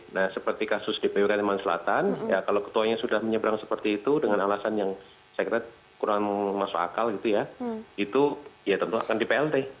nah seperti kasus dpo kalimantan selatan ya kalau ketuanya sudah menyeberang seperti itu dengan alasan yang saya kira kurang masuk akal gitu ya itu ya tentu akan di plt